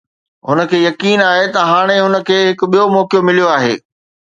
هن کي يقين آهي ته هاڻي هن کي هڪ ٻيو موقعو مليو آهي.